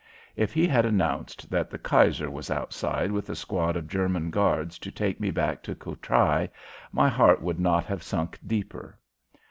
If he had announced that the Kaiser was outside with a squad of German guards to take me back to Courtrai my heart could not have sunk deeper.